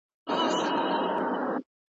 زوی به موزيم ته تللی وي.